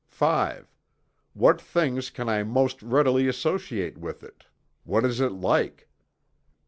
V. What things can I most readily associate with it? What is it like?